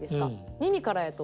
耳からやと。